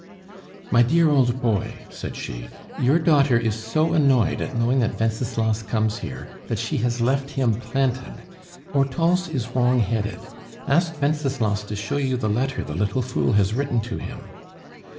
"My dear old boy," said she, "your daughter is so annoyed at knowing that Wenceslas comes here, that she has left him 'planted.' Hortense is wrong headed. Ask Wenceslas to show you the letter the little fool has written to him.